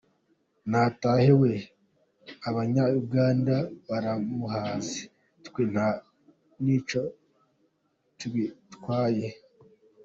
Natahe we, abanya Uganda baramuhaze, twe nta n’icyo tubatwaye!